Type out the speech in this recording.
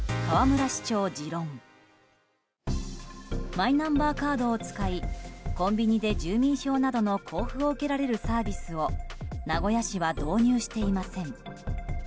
マイナンバーカードを使いコンビニで出民票などの交付を受けられるサービスを名古屋市は導入していません。